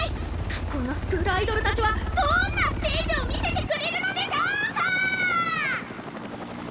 各校のスクールアイドルたちはどんなステージを見せてくれるのでしょか！